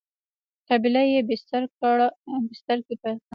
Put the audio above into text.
قبیله یي بستر کې پیل کړی.